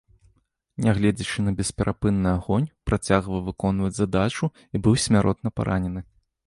Нягледзячы на бесперапынны агонь, працягваў выконваць задачу і быў смяротна паранены.